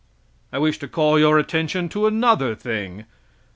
I wish to call your attention to another thing.